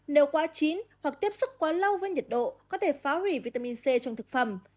nếu quá chín hoặc tiếp sức quá lâu với nhiệt độ có thể phá hủy vitamin c trong thực phẩm